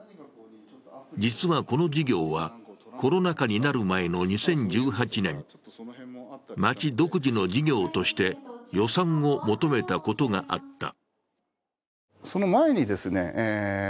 実は、この事業はコロナ禍になる前の２０１８年、町独自の事業として予算を求めたことがあった。